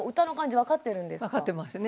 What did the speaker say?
分かってますね。